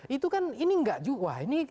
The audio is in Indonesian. itu kan ini enggak juga wah ini